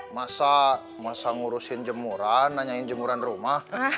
masa masa ngurusin jemuran nanyain jemuran rumah